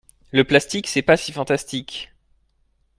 Le plastique c'est pas si fantastique.